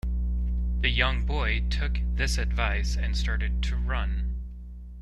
The young boy took this advice and started to run.